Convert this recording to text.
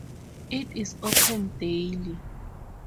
It is open daily.